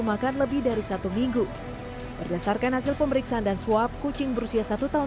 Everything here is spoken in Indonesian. makan lebih dari satu minggu berdasarkan hasil pemeriksaan dan swab kucing berusia satu tahun